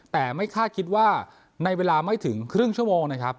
แต่ไม่คาดคิดว่าในเวลาไม่ถึงครึ่งชั่วโมงนะครับ